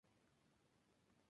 La sede del condado es English.